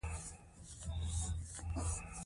خو په پښتو کښې